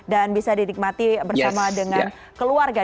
dan bisa didikmati bersama dengan keluarga